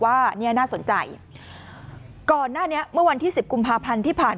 ว่าเนี่ยน่าสนใจก่อนหน้านี้เมื่อวันที่สิบกุมภาพันธ์ที่ผ่าน